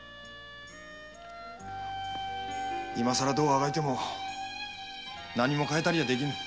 今さらどうあがいても何も変えたりはできぬ。